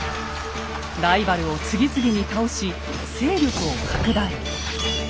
ライバルを次々に倒し勢力を拡大。